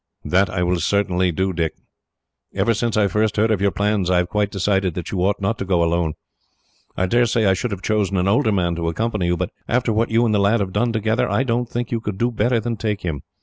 "That I will certainly do, Dick. Ever since I first heard of your plans, I have quite decided that you ought not to go alone. I daresay I should have chosen an older man to accompany you, but after what you and the lad have done together, I don't think you could do better than take him.